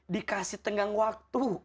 dikasih tenggang waktu